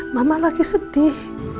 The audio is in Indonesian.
mama lagi sedih